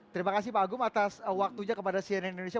terima kasih pak agung atas waktunya kepada cnn indonesia